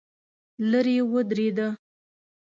لرې ودرېده.